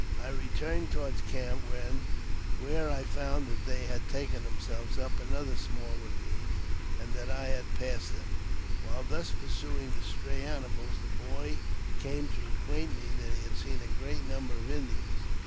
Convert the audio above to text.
I returned toward the camp, where I found that they had taken themselves up another small ravine, and that I had passed them. While thus pursuing the stray animals, the boy came to acquaint me that he had seen a great number of Indians.